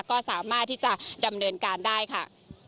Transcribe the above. ก็สามารถที่จะดำเนินการได้ค่ะ